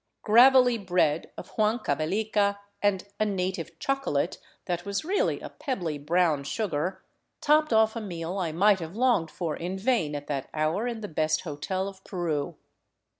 Gravelly bread of Huancavelica, and a native " chocolate " that was really a pebbly brown sugar, topped off a meal I might have longed for in vain at that hour in the best hotel of Peru.